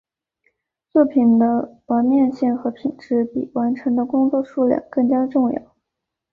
作品的完面性和品质比完成的工作数量更加重要。